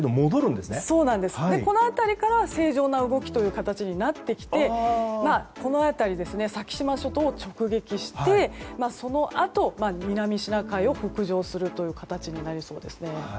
この辺りからは正常な動きになってきて先島諸島を直撃してそのあと、南シナ海を北上するという形になりそうです。